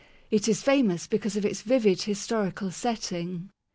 It is famous because of its vivid historical setting.